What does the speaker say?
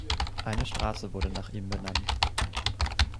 Eine Straße wurde nach ihm benannt.